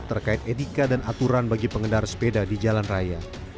terkait etika dan aturan bagi pengendara sepeda di jalan raya